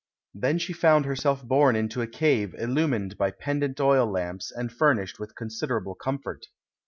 Then she found herself borne into a cave illu mined by pendant oil lamps, and furnished with considerable comfort.